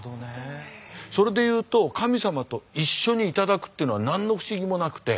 それで言うと神様と一緒にいただくっていうのは何の不思議もなくて。